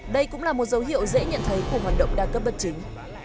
đây cũng là một dấu hiệu dễ nhận thấy của hoạt động đa cấp bất chính